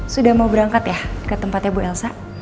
sudah mau berangkat ya ke tempatnya bu elsa